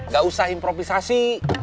gak usah improvisasi